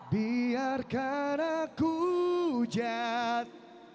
biar kanak kujat